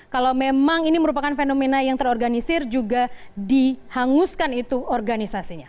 kalau memang ini merupakan fenomena yang terorganisir juga dihanguskan itu organisasinya